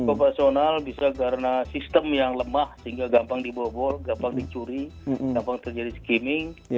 operasional bisa karena sistem yang lemah sehingga gampang dibobol gampang dicuri gampang terjadi skimming